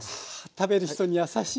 食べる人に優しい。